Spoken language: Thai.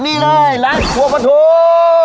นี่เลยร้านทั่วประทุม